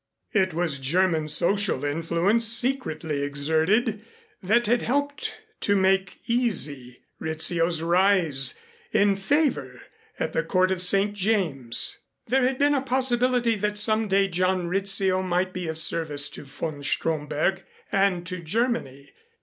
It was German social influence secretly exerted that had helped to make easy Rizzio's rise in favor at the court of St. James. There had been a possibility that some day John Rizzio might be of service to von Stromberg and to Germany.